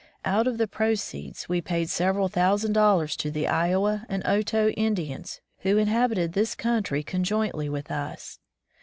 Out of the proceeds, we paid several thousand dollars to the Iowa and Otoe Indians who inhabited this country conjointly with us.